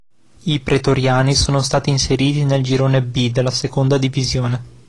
I Pretoriani sono stati inseriti nel Girone B della Seconda Divisione.